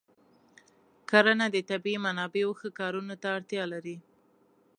کرنه د طبیعي منابعو ښه کارونه ته اړتیا لري.